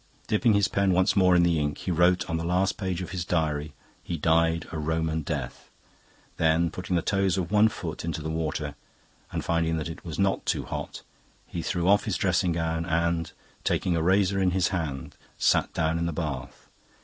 Dipping his pen once more in the ink he wrote on the last page of his diary: 'He died a Roman death.' Then, putting the toes of one foot into the water and finding that it was not too hot, he threw off his dressing gown and, taking a razor in his hand, sat down in the bath.